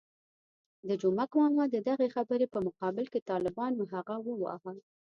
د جومک ماما د دغې خبرې په مقابل کې طالبانو هغه وواهه.